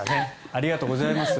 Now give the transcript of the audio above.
ありがとうございます。